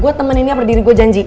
gue temenin ya berdiri gue janji